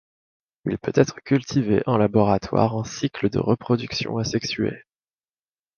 Il peut être cultivé en laboratoire en cycles de reproduction asexuée.